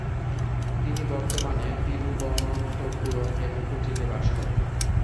তিনি বর্তমানে তিরুবনন্তপুরম এবং কোচিতে বাস করেন।